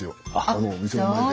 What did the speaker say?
あのお店の前で。